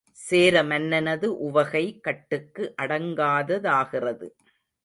சேரமன்னனது உவகை கட்டுக்கு அடங்காததாகிறது.